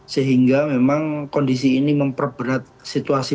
sehingga memang kondisi ini memperberat situasi